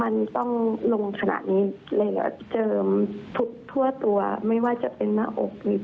ไม่ว่าจะเป็นหน้าอกหรือหรือยังไง